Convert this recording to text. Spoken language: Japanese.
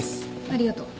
ありがとう。